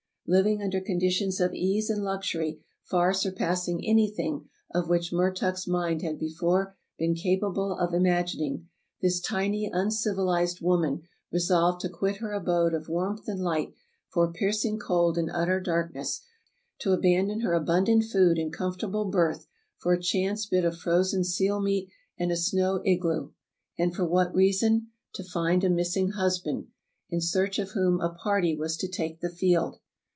Living under conditions of ease and luxury far sur passing anything of which Mertuk's mind had before been capable of imagining, this tiny, uncivilized woman resolved to quit her abode of warmth and light for p:erc ' ing cold and utter darkness, to abandon her abundant food and comfortable berth for a chance bit of frozen seal meat and a snow igloo. And for what reason? To find a missing husband, in search of whom a party was 380 True Tales of Arctic Heroism to take the field.